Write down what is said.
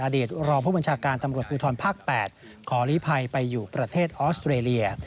อดีตรองผู้บัญชาการตำรวจภูทรภาค๘ขอลีภัยไปอยู่ประเทศออสเตรเลีย